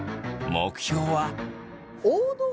目標は。